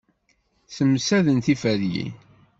Ssemsadent tiferyin.